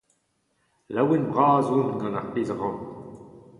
Laouen-bras on gant ar pezh a ran.